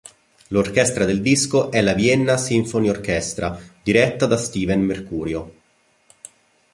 L'orchestra del disco è la Vienna Symphony Orchestra diretta da Steven Mercurio.